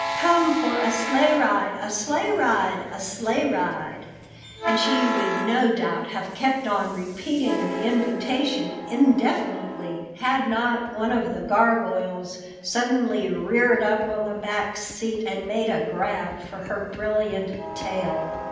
"Come for a sleigh ride, a sleigh ride, a sleigh ride!" and she would no doubt have kept on repeating the invitation indefinitely had not one of the gargoyles suddenly reared up on the back seat and made a grab for her brilliant tail.